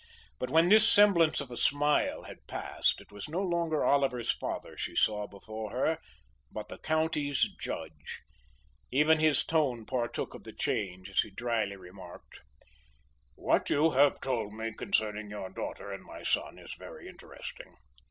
But when this semblance of a smile had passed, it was no longer Oliver's father she saw before her, but the county's judge. Even his tone partook of the change as he dryly remarked: "What you have told me concerning your daughter and my son is very interesting.